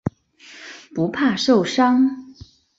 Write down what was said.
不怕受伤。